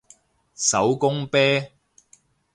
手工啤